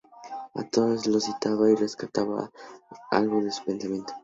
A todos los citaba y rescataba algo de su pensamiento.